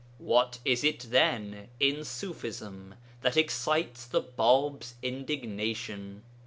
What is it, then, in Ṣufism that excites the Bāb's indignation?